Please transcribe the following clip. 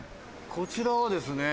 「こちらはですね